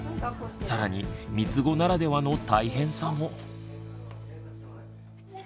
更にみつごならではの大変さも。